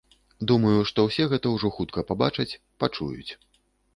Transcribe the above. Думаю, што ўсе гэта ўжо хутка пабачаць, пачуюць.